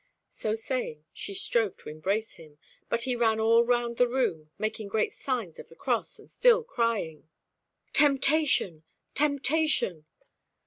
So saying, she strove to embrace him, but he ran all round the room, making great signs of the cross, and still crying "Temptation! temptation!"